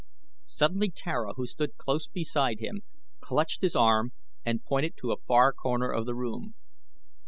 Suddenly Tara, who stood close beside him, clutched his arm and pointed toward a far corner of the room.